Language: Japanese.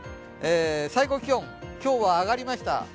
最高気温、今日は上がりました。